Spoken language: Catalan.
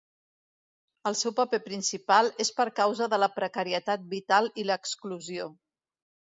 El seu paper principal és per causa de la precarietat vital i l'exclusió.